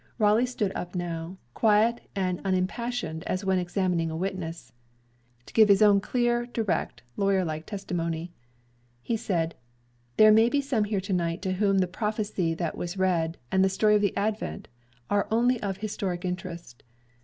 Raleigh stood up now, quiet and unimpassioned as when examining a witness, to give his own clear, direct, lawyer like testimony. He said: "There may be some here to night to whom the prophecy that was read, and the story of the Advent, are only of historic interest.